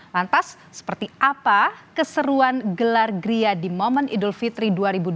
lantas seperti apa keseruan gelar gria di momen idul fitri dua ribu dua puluh